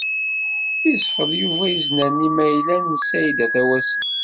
Isfeḍ Yuba iznan n imaylen n Saɛida Tawasift.